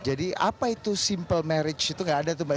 jadi apa itu simple marriage itu gak ada tuh mbak